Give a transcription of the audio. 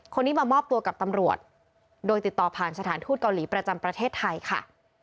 คนนี้มามอบตัวกับตำรวจโดยติดต่อผ่านสถานทูตเกาหลีประจำประเทศไทยค่ะ